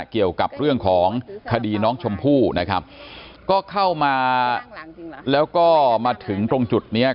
เกี่ยวกับเรื่องของคดีน้องชมพู่นะครับก็เข้ามาแล้วก็มาถึงตรงจุดเนี้ย